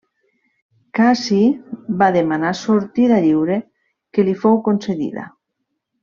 Cassi va demanar sortida lliure, que li fou concedida.